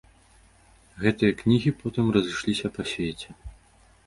Гэтыя кнігі потым разышліся па свеце.